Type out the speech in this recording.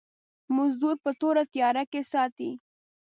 مزدور په تورو تيارو کې ساتي.